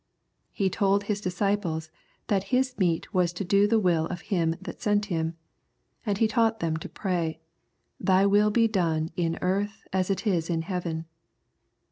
He told His disciples that His meat was to do the will of Him that sent Him ; and He taught them to pray, " Thy will be done in earth as it is in heaven."